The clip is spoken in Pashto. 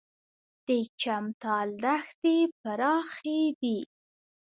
د چمتال دښتې پراخې دي